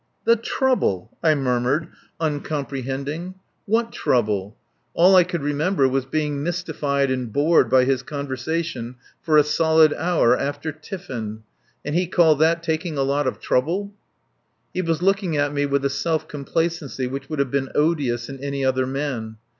"The trouble!" I murmured, uncomprehending. What trouble? All I could remember was being mystified and bored by his conversation for a solid hour after tiffin. And he called that taking a lot of trouble. He was looking at me with a self complacency which would have been odious in any other man.